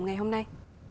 ngày hôm nay